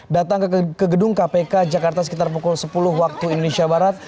datang ke gedung kpk jakarta sekitar pukul sepuluh waktu indonesia barat